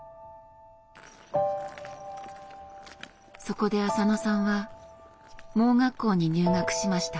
そこで浅野さんは盲学校に入学しました。